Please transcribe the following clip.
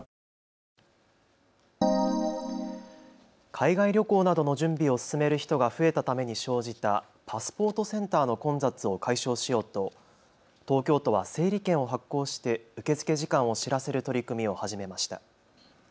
海外旅行などの準備を進める人が増えたために生じたパスポートセンターの混雑を解消しようと東京都は整理券を発行して受け付け時間を知らせる取り組みを始めました。